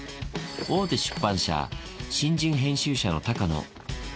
大手出版社、新人編集者の高野。